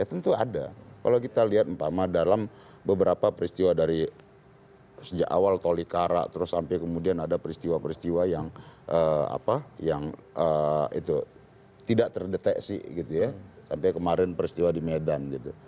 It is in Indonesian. ya tentu ada kalau kita lihat mpama dalam beberapa peristiwa dari sejak awal tolikara terus sampai kemudian ada peristiwa peristiwa yang tidak terdeteksi gitu ya sampai kemarin peristiwa di medan gitu